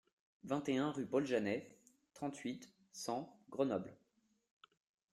vingt et un rue Paul Janet, trente-huit, cent, Grenoble